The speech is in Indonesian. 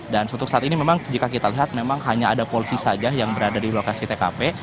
dan untuk saat ini memang jika kita lihat memang hanya ada polisi saja yang berada di lokasi tkp